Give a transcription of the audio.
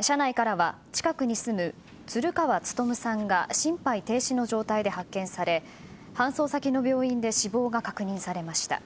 車内からは、近くに住むツルカワ・ツトムさんが心肺停止の状態で発見され搬送先の病院で死亡が確認されました。